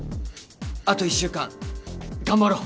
あと１週間頑張ろう。